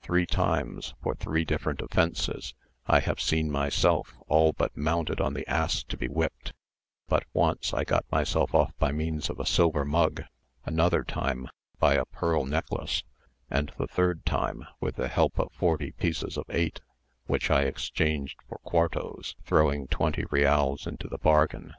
Three times, for three different offences, I have seen myself all but mounted on the ass to be whipped; but once I got myself off by means of a silver mug, another time by a pearl necklace, and the third time with the help of forty pieces of eight, which I exchanged for quartos, throwing twenty reals into the bargain.